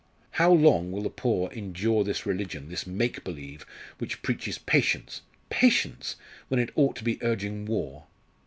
"How long will the poor endure this religion this make believe which preaches patience, patience! when it ought to be urging war?"